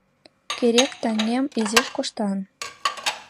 Керек таҥем изиш коштан